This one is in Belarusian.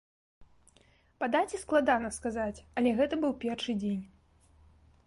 Па даце складана сказаць, але гэта быў першы дзень.